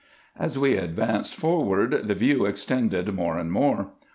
As we advanced for ward, the view extended more and more.